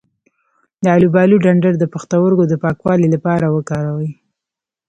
د الوبالو ډنډر د پښتورګو د پاکوالي لپاره وکاروئ